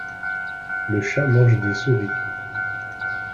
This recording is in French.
Le chat mange des souris.